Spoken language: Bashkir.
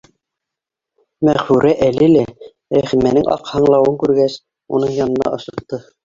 Мәғфүрә әле лә, Рәхимәнең аҡһаңлауын күргәс, уның янына ашыҡты.